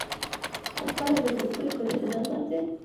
ته خپله د زوکړې کلیزه نه لمانځي.